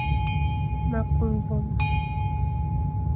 Ma ku mvoom,